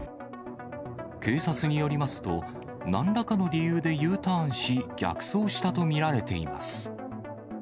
警察によりますと、なんらかの理由でＵターンし、逆走したと見られています。